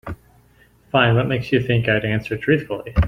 Fine, what makes you think I'd answer you truthfully?